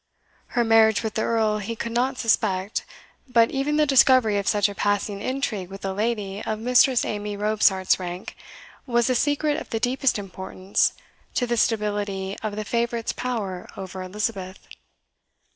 Her marriage with the Earl he could not suspect; but even the discovery of such a passing intrigue with a lady of Mistress Amy Robsart's rank was a secret of the deepest importance to the stability of the favourite's power over Elizabeth.